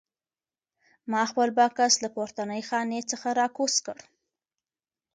ما خپل بکس له پورتنۍ خانې څخه راکوز کړ.